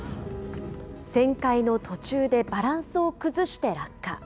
旋回の途中でバランスを崩して落下。